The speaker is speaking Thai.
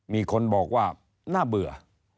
มีคนบอกว่าน่าเบื่อ